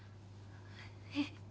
えっ。